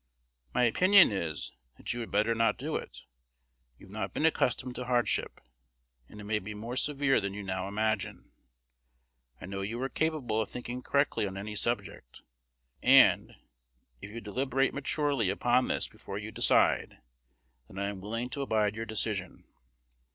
My opinion is, that you had better not do it. You have not been accustomed to hardship, and it may be more severe than you now imagine. I know you are capable of thinking correctly on any subject; and, if you deliberate maturely upon this before you decide, then I am willing to abide your decision.